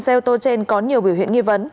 xe ô tô trên có nhiều biểu hiện nghi vấn